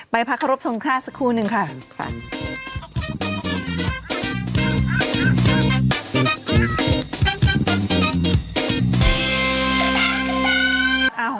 ไปพักครบทงฆาตสักครู่นึงค่ะ